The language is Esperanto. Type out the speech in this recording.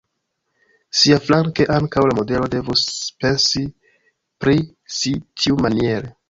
Siaflanke ankaŭ la modelo devus pensi pri si tiumaniere.